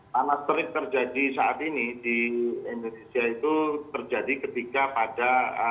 panas terik terjadi saat ini di indonesia itu terjadi ketika pada